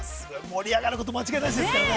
盛り上がること間違いなしですからね。